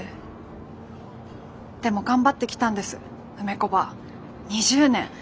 でも頑張ってきたんです梅子ばぁ２０年。